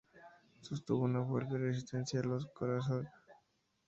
Sostuvo una fuerte resistencia a los corsarios.